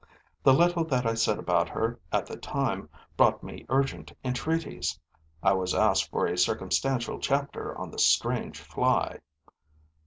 The little that I said about her at the time brought me urgent entreaties: I was asked for a circumstantial chapter on the strange fly.